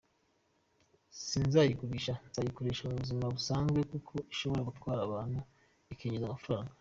Sinzayigurisha, nzayikoresha mu buzima busanzwe kuko ishobora gutwara abantu ikinjiza amafaranga.